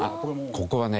ここはね